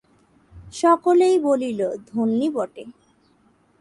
সকলেই বলিল, ধন্যি বটে!